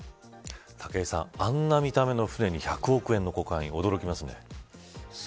武井さん、あんな見た目の船に１００億円のコカイン驚きますね。